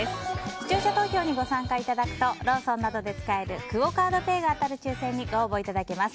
視聴者投票にご参加いただくとローソンなどで使えるクオ・カードペイが当たる抽選にご応募いただけます。